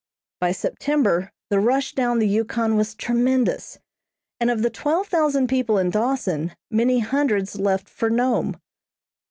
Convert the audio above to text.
By September the rush down the Yukon was tremendous, and of the twelve thousand people in Dawson many hundreds left for Nome.